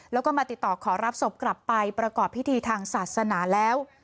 แล้วก็มาติดต่อขอรับศพกลับไปประกอบพิธีทางศาสนาแล้ว